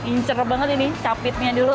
ini enak banget ini capitnya dulu